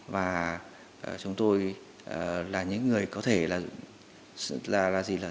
và chúng tôi là những người có thể là